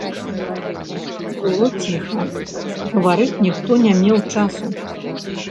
Было ціха, гаварыць ніхто не меў часу.